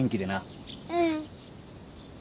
うん。